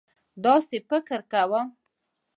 داسې فکر کوم.